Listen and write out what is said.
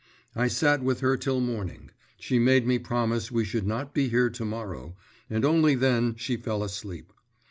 I sat with her till morning; she made me promise we should not be here to morrow, and only then, she fell asleep.